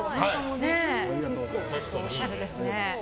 おしゃれですね。